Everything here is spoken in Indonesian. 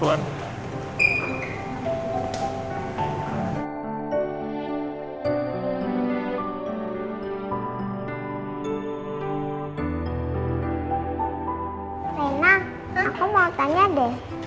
rena aku mau tanya deh